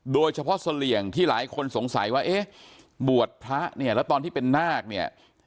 เสลี่ยงที่หลายคนสงสัยว่าเอ๊ะบวชพระเนี่ยแล้วตอนที่เป็นนาคเนี่ย